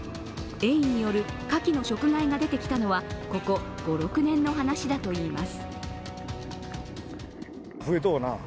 エイによるカキの食害が出てきたのはここ５６年の話だといいます。